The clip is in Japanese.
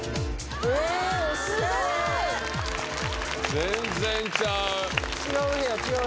全然ちゃう。